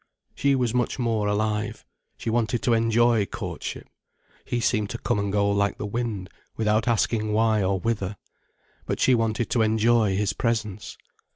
She was much more alive. She wanted to enjoy courtship. He seemed to come and go like the wind, without asking why or whither. But she wanted to enjoy his presence.